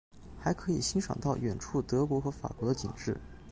还可以欣赏到远处德国和法国的景致。